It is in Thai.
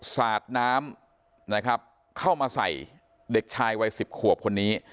สาดน้ำนะครับเข้ามาใส่เด็กชายวัย๑๐ขวบคนนี้